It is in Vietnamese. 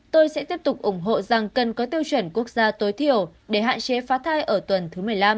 tôi sẽ tiếp tục ủng hộ rằng cần có tiêu chuẩn quốc gia tối thiểu để hạn chế phá thai ở tuần thứ một mươi năm